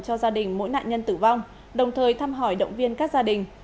cho gia đình mỗi nạn nhân tử vong đồng thời thăm hỏi động viên các gia đình